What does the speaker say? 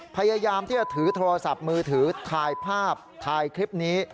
พยายามที่จะถือโทรศัพท์มือถือถ่ายภาพถ่ายคลิปนี้